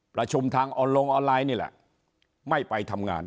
ประชุมทางออนลงออนไลน์นี่แหละไม่ไปทำงาน